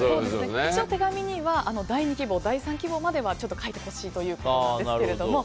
一応手紙には第２希望第３希望までは書いてほしいということなんですけども。